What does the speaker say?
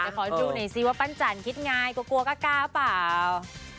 พี่ขอดูหน่อยซิว่าปั้นจันห์คิดง่ายกลัวกลัวก้าป่าว